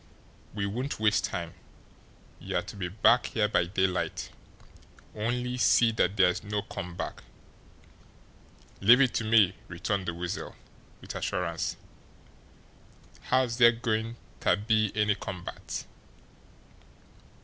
We won't waste time. You're to be back here by daylight only see that there's no come back." "Leave it to me!" returned the Weasel, with assurance. "How's dere goin' ter be any come back?